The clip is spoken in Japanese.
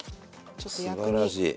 すばらしい。